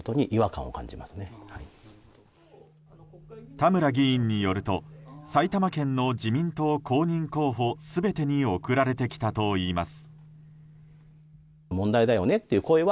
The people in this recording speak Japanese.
田村議員によると埼玉県の自民党の公認候補全てに送られてきたといいます。